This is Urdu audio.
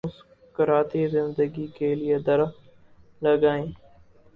مسکراتی زندگی کے لیے درخت لگائیں۔